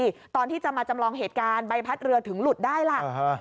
นี่ตอนที่จะมาจำลองเหตุการณ์ใบพัดเรือถึงหลุดได้ล่ะ